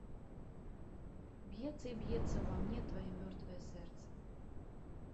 Б'ецца і б'ецца ўва мне тваё мёртвае сэрца.